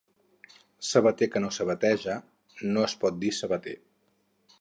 Sabater que no sabateja, no es pot dir sabater.